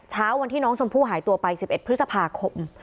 เช้าวันที่น้องชมพู่หายตัวไป๑๑พฤษภาคม